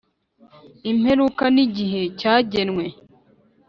Imperuka nigihei cyagenwe.